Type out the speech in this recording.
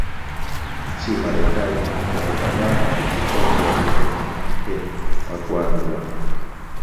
Nchini Marekani, mke wa gavana wa jimbo pia huitwa "Mwanamke wa Kwanza".